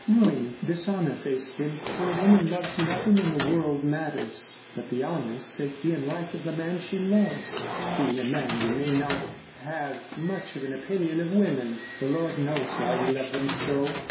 Ruin, dishonour, faced him. When a woman loves nothing in the world matters but the honour, safety, and life of the man she loves. Being a man you may not have much of an opinion of women—the Lord knows why we love them so!